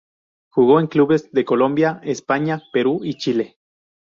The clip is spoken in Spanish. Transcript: Jugó en clubes de Colombia, España, Perú y Chile.